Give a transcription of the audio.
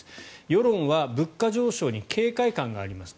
世論は物価上昇に警戒感があります。